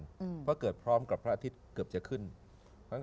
เพราะเกิดพร้อมกับพระอาทิตย์เกือบจะขึ้น